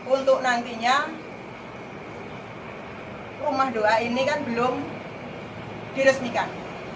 untuk nantinya rumah doa ini kan belum diresmikan